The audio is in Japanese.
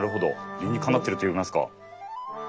理にかなってるといいますか。